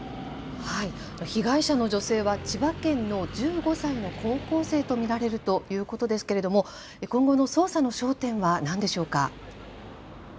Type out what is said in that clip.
被害者の女性は千葉県の１５歳の高校生と見られるということですけれども今後の捜査の焦点は何でしょうか。